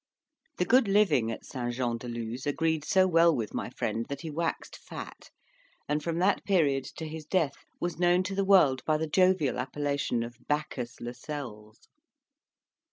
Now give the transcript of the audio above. The good living at St Jean de Luz agreed so well with my friend that he waxed fat, and from that period to his death was known to the world by the jovial appellation of Bacchus Lascelles.